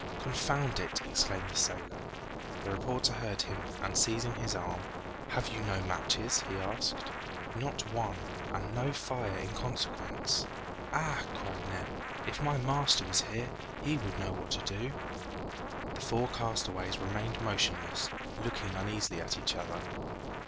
"Confound it!" exclaimed the sailor. The reporter heard him and seizing his arm, "Have you no matches?" he asked. "Not one, and no fire in consequence." "Ah!" cried Neb, "if my master was here, he would know what to do!" The four castaways remained motionless, looking uneasily at each other.